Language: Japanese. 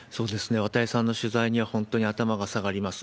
綿井さんの取材には本当に頭が下がります。